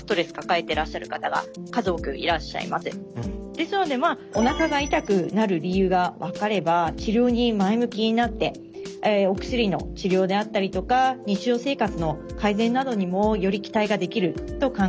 ですのでまあおなかが痛くなる理由が分かれば治療に前向きになってお薬の治療であったりとか日常生活の改善などにもより期待ができると考えます。